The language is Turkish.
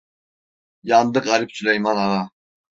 Yandı garip Süleyman Ağa!